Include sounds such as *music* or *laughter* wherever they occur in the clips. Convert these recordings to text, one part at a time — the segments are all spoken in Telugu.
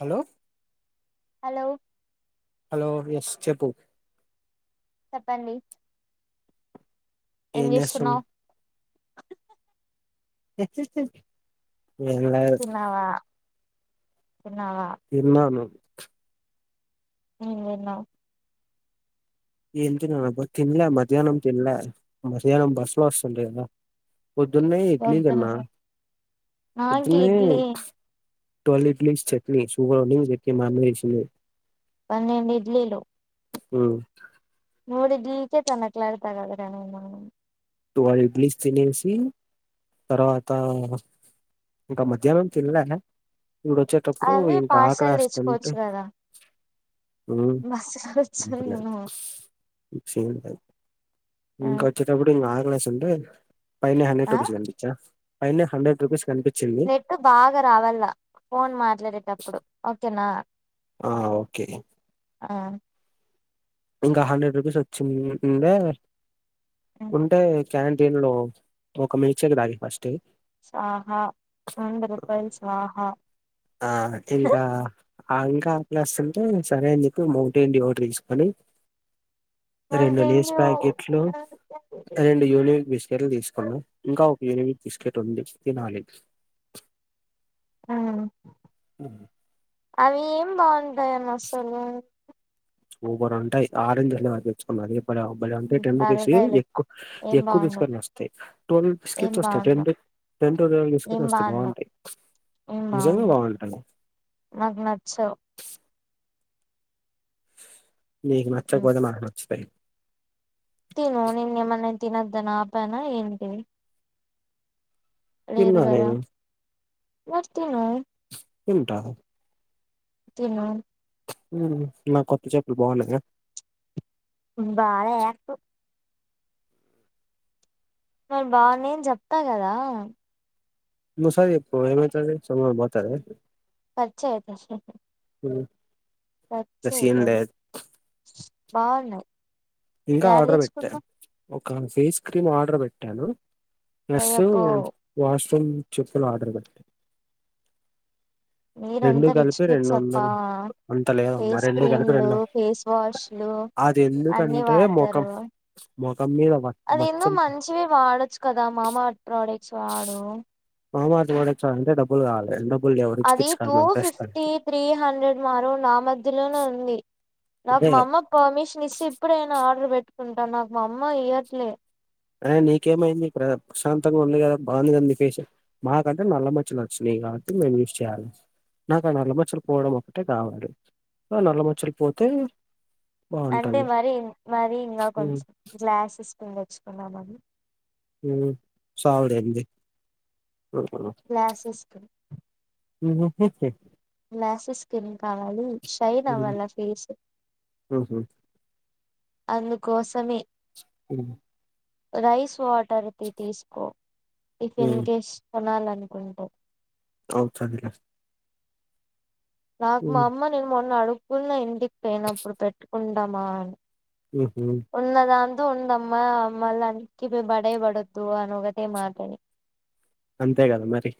హలో హలో హలో ఎస్ చెప్పు చెప్పండి ఏం చేస్తున్నవ్ ఏంలేదు తిన్నావా తిన్నావా తీన్నాను ఏం దిన్నవ్ ఏం తిననబ్బ తిన్లే మధ్యానం తిన్లే మధ్యానం బస్ లొ ఒస్తుంటి గద పొద్దున్నె ఇడ్లి పొద్దున్న దిన్నా నాకు పొద్దున్నే ఇడ్లీ టువెల్ ఇడ్లిస్ చట్నీ సూపర్ *unintelligible* పన్నెండిఇడ్లీలు ఉమ్, మూడు ఇడ్లీకే *unintelligible* ట్వెల్వ్ ఇడ్లిస్ తినేసి తర్వాత ఇంక మధ్యాహ్నం తిన్లే ఇప్పుడు ఒచ్చేటప్పుడు అవి ఇంకా పార్సల్ ఆకలేస్తంటే తెచ్చుకోవచ్చు కదా బస్సు కూర్చుని ఇంకోచ్చేటపుడె తిన్న ఆకలేసుంటే పైన్నె హండ్రెడ్ ఆ రుపీస్ కనిపిచా పైన్నె హండ్రెడ్ రుపీస్ కనిపి నెట్ బాగా రావాల ఫోన్ మాట్లాడేటప్పుడు ఓకేనా ఆ ఓకే ఆ ఇంకా హండ్రెడ్ రూపీస్ వచ్చిన్ ఉండె ఉంటే క్యాంటీన్ లో ఒక మిల్క్ షేక్ దాగేది ఫస్ట్ స్వాహా వంద రూపాయిల్ స్వాహా ఆ ఇంకా ఆహ్ ఇంకా ఆకలేస్తుంటే సరే అని చెప్పి మౌంటెన్ డివొటర్ తీసుకొని రెండు థ్యాంక్ లేస్ యూ ప్యాకెట్లు రెండు యూనిబిక్ బిస్కెట్లు తీసుకున్నా ఇంకా యూనిబిక్ బిస్కెట్ ఉంది తినాలి ఆ ఉమ్ అయిమ్ బావుంటాయన్న అసలు సూపర్ ఉంటాయి ఆరెంజ్ మ తెచ్చుకో మరి బలే బలే ఉంటాయి టెన్స్ రూపీస్ తలకాయలు కి ఎక్కువ ఏం ఎక్కువ బాగుండవు బస్కెట్ వస్తాయి ట్వల్ ఏం బికెట్స్ వస్తాయి టెన్ బాగుండవు టెన్ టు ట్వెల్వ్ బిస్కెట్ ఏం వస్తాయి బాగుండవు బాగుంటాయి నిజంగా బాగుంటాయి నాక్ నచ్చవ్ నీకు నచ్చకపోతే మాకు నచ్చుతాయి తిను నిన్నేమన్నా తినొద్దు అని ఆపనాఏంటి తిన్న నేను మరి తిను తింటా తిను నా కొత్త చెప్పులు బాగున్నయ బాలే యాక్ట్ మరి బాగున్నాయని చెప్తా కదా ఇంకోసారి చెపచెప్పు ఏమైతది సోమేమైనా పోతాద కట్ చేయి అయితే ఉ కట్ చేయకు బాగున్నాయి ఇంకా యాడ ఆర్డర్ పెట్టా తెచ్చుకున్నావ్ ఒక ఫేస్ క్రీమ్ ఆర్డర్ పెట్టాను ప్లస్ ఓయబ్బో వాష్రూమ్ చెప్పులు ఆర్డర్ పెట్టా రెండు మీరంతా రిచ్ కలిపి రెండు కిడ్స్ అబ్బా వందలు అంత లేదమ్మా ఫేస్ రెండు కలిపి క్రీమ్లు రెండు ఫేస్ వాష్లు అది అన్ని ఎందుకంటే మొఖం వాడతారు మొఖం మీద వ- అది ఏందో మచ్చలు మంచివె వాడొచ్చు కదా మామయత్ ప్రోడక్ ట్ స్వడు మామ ఎర్త్ ప్రొడక్టసా అంటే డబ్బలుకావాలి డాబు అది టూ ఫిఫ్టీ త్రీ హండ్రెడ్ మారు నా మధ్యలోనే ఉంది నాకు అదే మా అమ్మ పర్మిషన్ ఇస్తే ఇప్పుడైనా ఆర్డర్ పెట్టుకుంటాను నాకు మా అమ్మ ఇయ్యట్లే అదే నీకేమైంది ప్రశాంతంగా ఉంది కదా బానేవుంది ఫెస్ మాకుంటే నల్లమచ్చలు వోచినయ్ కాబట్టి నేన్ యూజ్ చేయాలి నాకు ఆ నల్ల మచ్చలు పోవడం ఒకటే కావాలి నల్ల మచ్చలు పోతే అంటే బాగుంటది మరి మరి నాక్ హ్మ్ కొంచెం గ్లాస్కిన్ తెచ్కుందాఅని ఉం సెలదేంది గ్లాసిస్కిన్ ఉంహు ఉంహు గ్లాసిస్కిన్ కావాలి షైన్ అవ్వన ఫేస్ హుహు. అందుకోసమే హ్మ్ రైస్ వాటర్ తీసుకో ఇఫ్ హ్మ్. ఇన్కెస్ కొనాలనుకుంటే అవ్ తదిలే నాకు మా అమ్మ నేను మొన్న అడుకున్న ఇంటికి పోయినప్పుడు పెట్టుకుంటామా అని ఊహూ ఉన్నదా ఉండమ్మా మల్లా అన్కివే బాడేబడదు అని ఒకటే మాట అనింది అంతే కదా మరి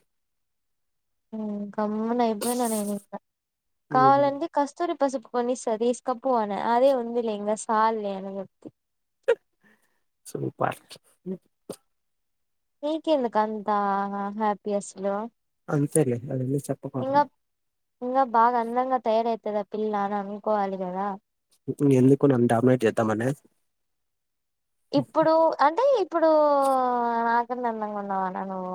గమ్న అయిపోయిన నేనింకా హ్మ్ కావాలంటే కస్తూరి కొనిస్త తీస్తోకపో అనే అదే ఉంది లే ఇకా సాల్ లె అన్న సూపర్ నీకెందుకు అంతా హ్యాపీ అసలు అంతే లె ఇంగా ఇంగా బాగా అందంగా తయారైతది ఆ పిల్ల అని అనుకోవాలి కదా ఇంగ ఎందుకు నన్ను డామినేట్ చేద్దామన ఇప్పుడు అంటే ఇప్పుడు నాకంటే అందంగా ఉన్నావానా నువ్వు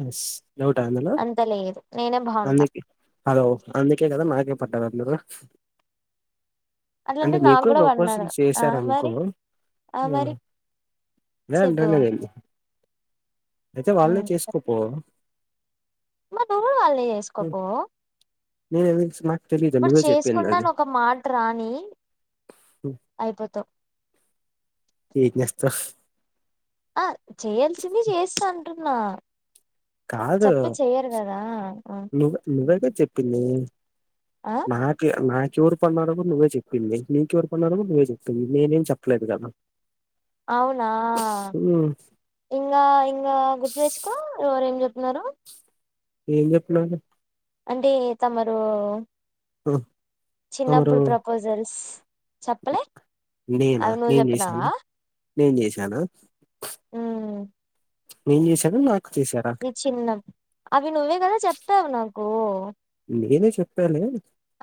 ఉన్స్ డౌటా అందులొ అంత లేదు నేనే బాగుంటా అందుకే హలో అందుకేకదా నాక్ పడ్డరా అందరూ అట్లంటే అంటె నాకు మీకు కూడా పడినారు ప్రపోసింగ్ ఆ సేసార్ అన్కో మరి ఆ మరి చెప్పు అదేనాంటానా నేను ఐతే వాళ్నే ఉమ్ చెప్ చేస్కపో మరి నువ్ కుడ వాళ్నే చేస్కపో మీరైయ్యేందుకు స్మా ఇప్పుడు చేస్కుంట ఒక మాట్రాని అయిపోతావ్ ఎంచేస్తవ్ అ చేయాల్సింది చేస్తంటున్నా కాదు ఆ నువ్ నువ్వైతే చెప్పింది ఆ మాకె మా క్యూర్ కొన్నారని కూడా నువ్వే చెప్పింది నీ క్యూర్ కొన్నారని కూడా నువ్వే చెప్పింది నేనేం చెప్పలేదు కదా అవునా హ్మ్. ఇంగా ఇంగా గుర్తు తెచ్చుకో ఎవరేం చెప్ నారో ఏం చెప్పినాను అంటే తమరూ ఒ చిన్నప్పుడు ప్రపోజల్స్ చెప్పలే నేనా అవి నువ్వు నేన్ చెప్పినావా చేస్ననా నేన్ చేశానా ఉమ్ నేన్ చేశానా లేక్ నీ చిన్నవ్ అవి నువ్వే గదా చెప్తవ్ నాకు నేనె చెప్పాను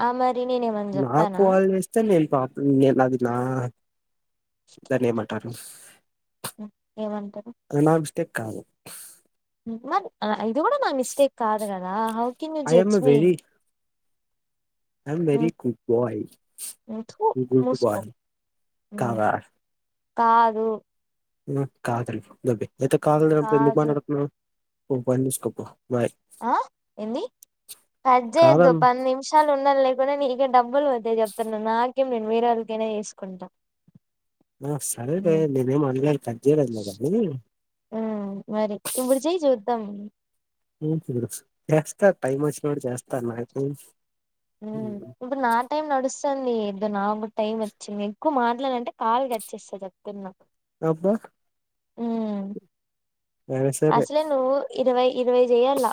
ఆ మరి నేనేమన్నా చెప్పానా నాకాల్ చేస్తే నే తాప్ నేన్ అది నా దన్నేమంటారు ఉ ఏమంటరు తెక్కాల ఉ మరి అ ఏదీ గుడ నా మిస్టేక్ కాదు గదా how can you judge me I'm very good boy థూ గుడ్డ్ మూసుకో బాయ్ ఉమ్, కాదా కాదు ఊ కాదన్ దొబ్బెయ్ లేపోతే కాదన్నప్పుడు ఎందుకు కాదు మాట్లాడుతున్నవ్ నీ పన్ చూస్కపో అ ఎంది కట్ చేయదు కాదన్ పద్ నిమ్షాలు ఉండాల్ లేక్ప్ పోతే నీకే డబ్బుల్ పోతయ్ చెప్తున్న నాకేం నేను వేరోళ్కైనా చేస్కుంట అ సరేలే నెనేం అడగన్ ఆ మరి ఇప్పుడు చేయి చూద్దం చేస్త టైమ్ ఒచ్చినప్పుడు చేస్త నాకేన్ ఊ ఇప్పుడ్ నా టైం నడుస్తుంది ఏదో నాకు టైం వచ్చింది ఎక్కువ మాట్లాడంటే కాల్ కట్చేస్త చెప్తున్న అబ్బా ఊమ్ సరే సరే అసలే నువ్వు ఇరవై ఇరవై చెయాల్ల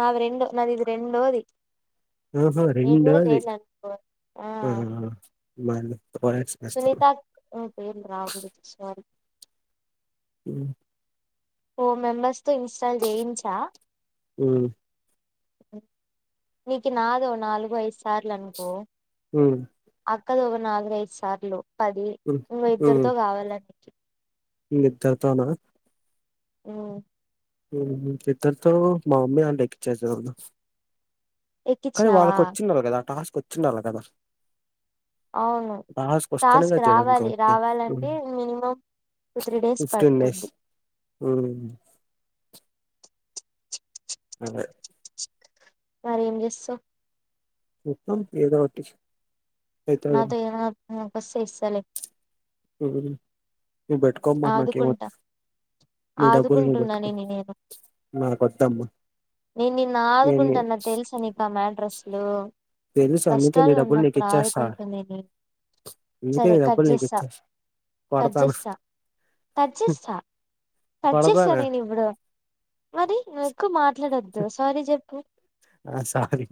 నావి రెండు నాది ఇది రెండోది ఆహా నేను కూడా రెండోది చేయలే అనుకో ఆ ఆహా *unintelligible* ఓ నేన్ రాకూడదు సారీ ఉ ఫోర్ మెంబర్స్తొ ఇన్స్టాల్ చేయించా ఊమ్ నీకి నాదో నాలుగు ఐదు సార్ల్ అన్కో హు అక్కదొక నాలుగైదు సార్లు పది నువ్ ఇద్దర్తో కావాలనీ మీ ఇద్దరితోనా ఉ ఇద్దరుతో మామ్మే హ్యాండ్ ఎకిచేతది అన్న కానీ ఎక్కించినావా వాళ్ళకి ఒచ్చిండళ్ళ కదా ఆ టాస్క్ ఓచ్చిండళ్ళ కదా అవును వస్తేనే కదా టాస్క్ చేయడానికి రావాలి అవుతుంది ఉమ్ రావాలంటే మినిమం టూ త్రీ డేస్ పట్టుదీ మ్ అదే మరేం చేస్తావ్ చూద్దాం ఏదొ ఒకటి అయితది నాతోనా నాకు ఓస్తే ఇస్తాలె నువ్వు పెట్టుకో మా నాకేం ఆదుకుంటా వద్దు నీ డబ్బులు నువ్వు ఆదుకుంటున్నా పెట్టుకో నిన్ను నేను నాకు వాదమ్మా నేను నిన్ను ఆదుకుంటాన్న తెలుసా నీకు మేటర్ అస్సలు తెలుసు అందుకే నీ డబ్బులు నీకు ఇచ్చేస్తా ఆదుకుంటుంది నేను ఎందుకే సరే కట్ డబ్బులు నీకు చేస్తా ఇచ్చేస్తా కట్ పడతాన చేస్తా కట్ చేస్తా కట్ చేస్తా కొడతాను నేను ఇప్పుడు మరి నువ్వు ఎక్కువ మాట్లాడొద్దు సారీ చెప్పు ఆ సారీ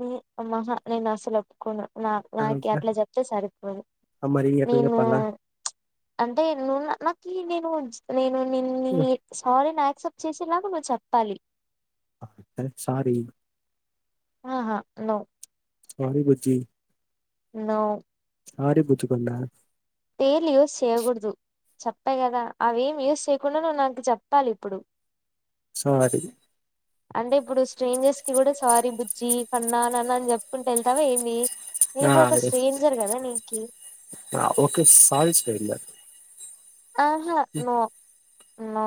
మీ అమ్మాహ నేను అసల్ ఓపుకొను నా ఆ నాకి అట్లా చెప్తే సరిపోదు ఆ! మరి ఎట్ల నేను చెప్పాలా అంటే నున్న నాక్ కి నేను నేను హ్మ్. నిన్ని సారీని యాక్సెప్ట్ చేసేలాగా నువ్వు చెప్పాలి యామ్ సారీ ఆహా నో సారి బుజ్జి నో సారీ బుజ్జికొండ పేరులు యూస్ చెయ్యకూడదు చెప్ప కదా అవేం యూస్ చేయకుండా నువ్ నాకు చెప్పాలి ఇప్పుడు సారీ అంటే ఇప్పుడు స్ట్రేంజర్స్ కి కూడా సారీ బుజ్జి కన్నా నాన్న అని చెప్పుకుంట వెళ్తావ ఏంది నేన్ ఆ ఇప్పుడు ఒక అదే. స్ట్రేంజర్ కదా నీకి ఆ! ఓకే సారీ స్టైల్ అది. ఆహా నో నో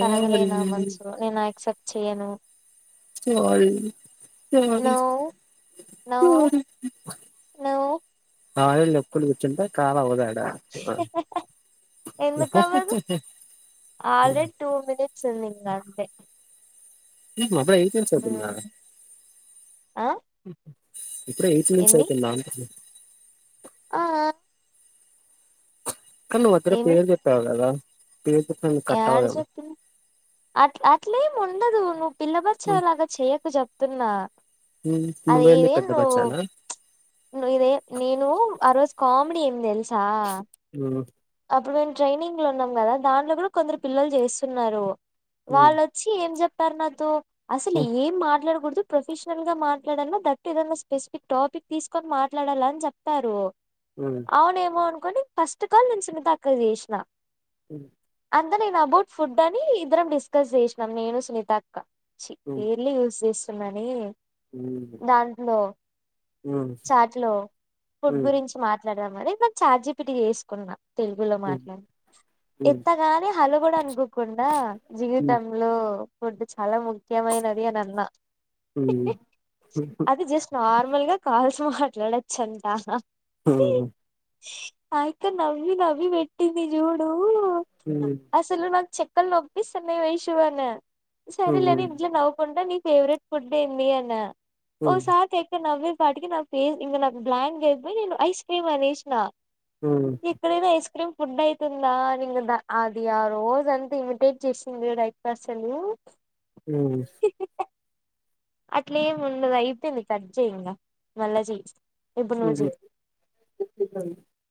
తరగలే నా మనుసులో నేను ఆక్సెప్ట్ చెయ్యను sorry sorry no no sorry no సారీలు చెప్పుకుంటూ కూర్చుంటే కాల్ అవాద్ ఆది ఎందుకు అవదు ఆల్రెడీ ట్వ మిన్ టూన్ ఉంది ఇంకా అంతే బాబోయ్ ఎయిట్ మిన్ ఉమ్ అయ్యిపోయింద ఆ అప్పుడే ఎయిట్ మైన్స్ ఏంది అవుతుంద అంటున్న ఆ కన్ నువ్వు అక్కడ పేరు చెప్పేవ్ కదా పేరు చెప్పిన నీకు కట్ ఏడ అవ్వదేమో చెప్పంది అట్ అట్లేం ఉండదు పిల్ల బచ్చలాగా చేయకు చెప్తున్నా అరె నువ్వేంది ఏంది పెద్ద నువ్వు బచ్చానా ను ఇదే నేను ఆ రోజు కామెడీ ఎంద్ తెల్సా అప్పుడు మేము ట్రైనింగ్ లో ఉన్నాం కదా దాంట్లో కూడా కొందరు పిల్లలు చేస్తున్నారు వాళ్ళొచ్చి ఏం చెప్పారు నాతో అసలు ఏం మాట్లాడకో ప్రొఫెషనల్ గా మాట్లాడాల గట్టిగన్నా, స్పెసిఫిక్ టాపిక్ తీసుకొని మాట్లాడాలా అని చెప్పారు. అవునేమో అనుకోని ఫస్ట్ కాల్ నేను సునీత అక్కకు చేసినా. ఉ అంతా నేను అబౌట్ ఫుడ్ అని ఇద్దరం డిస్కస్ చేసినం నేను సునీత అక్క చి పేర్లు యూజ్ చేస్తున్నానే దాంట్లో చాట్లో ఫుడ్ గురించి మాట్ మాట్లాడదాం అని చాట్ జీపీటీ చేసుకున్న తెలుగులో మాట్లాడి ఎత్తగాని హలో కూడా అనుకోకుండా జీవితంలో కుంటే చాలా ముఖ్యమైనది అని అన్న హిహి అది జస్ట్ నార్మల్ మల్ గా కాల్స్ మాట్లాడొచ్చు అంట హ్హా ఉమ్ అ అక్క నవ్వి నవ్వి వెట్టింది చూడు అసలు నాకు చె క్కల్ నొప్పిస్తున్నాయ్ వైషూ అన్న సరేలే అని ఇట్లా నవ్వుకుంట ని ఫేవరెట్ ఫుడ్ ఏంది అన్న ఒకసారి కి అయితే నవ్వింది. పాటికి నా ఫే ఇక నాకు బ్లాంక్ అయిపోయి నేను ఐస్ క్రీమ్ అనేసిన ఇక్కడేనా ఐస్క్రీమ్ ఫుడ్ అయితుందా అని ఇంగ ద అది ఆరోజు అంతా ఇమిటేట్ చేసింది చూడు అ అక్క అస్సలు. అట్లేముండదు అయిపోయింది. కట్ చెయ్ ఇంగా మల్ల చెయ్ ఉంది టెక్నీకల్